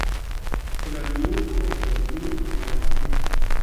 Kuna miiko ya jamii ya Wajita